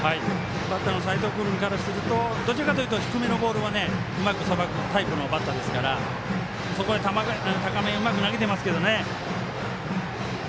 バッターの齋藤君からするとどちらかというと低めのボールをうまくさばくタイプのバッターですからそこに高めをうまく投げてますけどね。